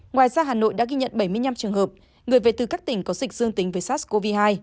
ngoài ra hà nội đã ghi nhận bảy mươi năm trường hợp người về từ các tỉnh có dịch dương tính với sars cov hai